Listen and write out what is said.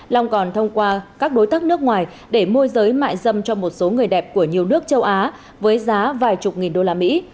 long còn thông qua các đối tác nước ngoài để môi giới mại râm cho một số người đẹp của nhiều nước châu á với giá vài chục nghìn usd